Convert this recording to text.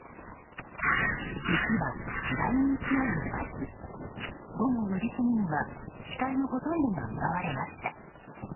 雪は次第に勢いを増し午後４時過ぎには視界のほとんどが奪われました。